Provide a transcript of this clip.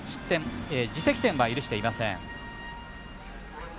自責点は許していません。